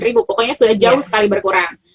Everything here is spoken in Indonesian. ribu pokoknya sudah jauh sekali berkurang